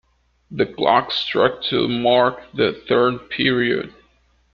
The clock struck to mark the third period.